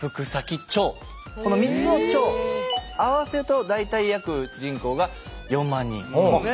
この３つの町合わせると大体約人口が４万人。